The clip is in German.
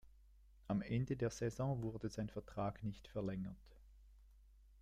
Am Ende der Saison wurde sein Vertrag nicht verlängert.